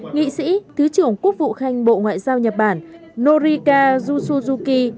nghị sĩ thứ trưởng quốc vụ khanh bộ ngoại giao nhật bản norika jusuzuki